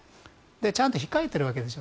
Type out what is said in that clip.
ちゃんと控えているわけです